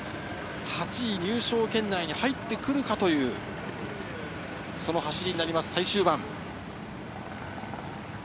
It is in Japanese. ８位入賞圏内に入ってくるかという走りになります最終盤。